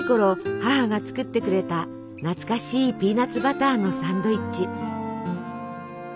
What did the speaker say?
母が作ってくれた懐かしいピーナツバターのサンドイッチ。